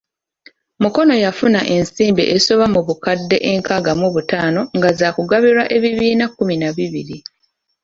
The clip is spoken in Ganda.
Mukono yafuna ensimbi ezisoba mu bukadde enkaaga mu butaano nga zaakugabirwa ebibiina kumi na bibiri.